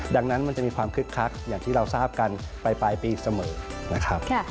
ดังนั้นมันจะมีความคึกคักอย่างที่เราทราบกันไปปลายปีเสมอนะครับ